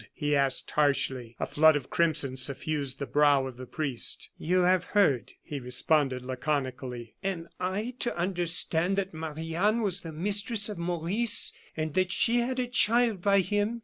he asked, harshly. A flood of crimson suffused the brow of the priest. "You have heard," he responded, laconically. "Am I to understand that Marie Anne was the mistress of Maurice, and that she had a child by him?